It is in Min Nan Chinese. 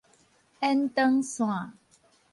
延長線